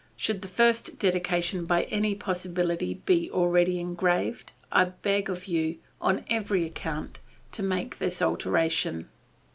Should the first dedication by any possibility be already engraved, I beg of you, on every account, to make this alteration.